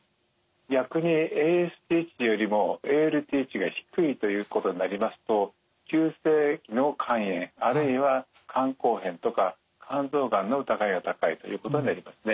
逆にＡＳＴ値よりもＡＬＴ値が低いということになりますと急性期の肝炎あるいは肝硬変とか肝臓がんの疑いが高いということになりますね。